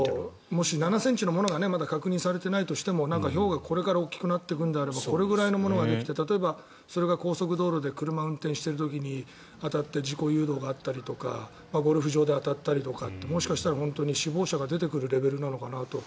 もし７ｃｍのものがまだ確認されていないとしてもひょうがこれから大きくなるのであればこれくらいのものができて例えば、それが高速道路で車を運転している時に当たって事故誘導があったりとかゴルフ場で当たったりとかってもしかしたら死亡者が出てくるレベルなのかなと。